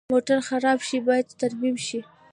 موټر خراب شي، باید ترمیم شي.